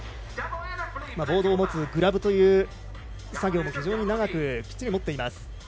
ボードを持つグラブという作業も非常に長くきっちり持っています。